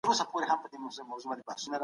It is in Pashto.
ماشوم پوښتني کولې.